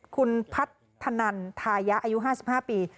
คุณพัฒนันทายะอายุ๕๕ปี